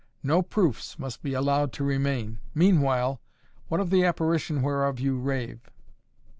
No proofs must be allowed to remain. Meanwhile, what of the apparition whereof you rave?"